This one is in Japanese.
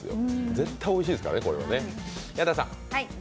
絶対おいしいですからね。